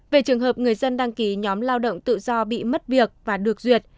về trường hợp người dân đăng ký nhóm lao động tự do bị mất việc và được duyệt